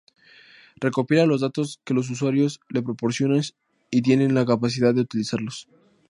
Recopila los datos que los usuarios le proporcionan y tiene la capacidad de utilizarlos.